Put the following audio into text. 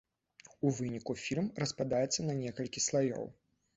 У выніку фільм распадаецца не некалькі слаёў.